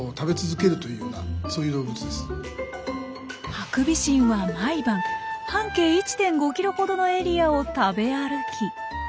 ハクビシンは毎晩半径１．５キロほどのエリアを食べ歩き